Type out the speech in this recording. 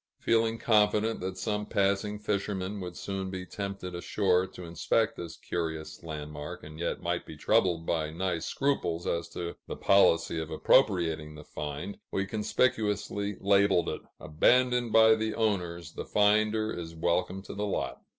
Feeling confident that some passing fisherman would soon be tempted ashore to inspect this curious landmark, and yet might be troubled by nice scruples as to the policy of appropriating the find, we conspicuously labeled it: "Abandoned by the owners! The finder is welcome to the lot."